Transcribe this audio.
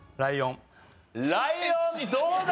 ライオンどうだ？